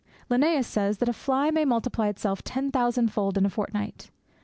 Linnaeus says that a fly may multiply itself ten thousandfold in a fortnight.